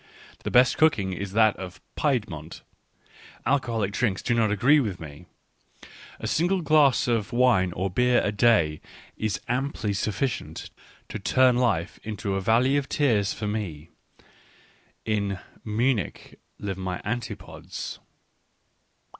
... The best cooking is that of Piedmont. Alcoholic drinks do not agree with me ; a single glass of wine or beer a day is amply sufficient to turn life into a valley of tears Digitized by Google WHY I AM SO CLEVER 3 1 for me ;— in Munich live my antipodes.